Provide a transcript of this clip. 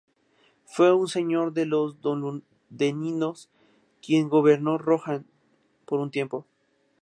Fue un señor de los dunlendinos, quien gobernó Rohan por un tiempo.